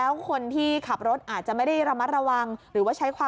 เบื้องต้นเนี่ยคาดว่าน่าจะมาจากฝนตกทะเลเลยค่ะ